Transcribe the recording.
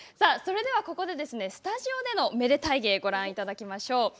それではここでスタジオでのめでたい芸ご覧いただきましょう。